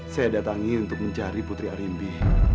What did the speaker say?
saya datangi untuk mencari putri arimbi